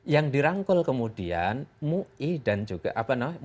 yang dirangkul kemudian mui dan juga apa namanya